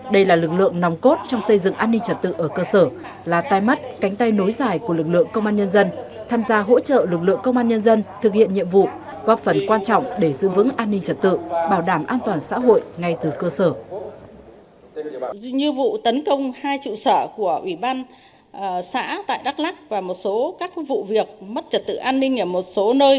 đây là lực lượng nòng cốt trong xây dựng an ninh trật tự ở cơ sở là tay mắt cánh tay nối giải của lực lượng công an nhân dân tham gia hỗ trợ lực lượng công an nhân dân thực hiện nhiệm vụ góp phần quan trọng để giữ vững an ninh trật tự bảo đảm an toàn xã hội ngay từ cơ sở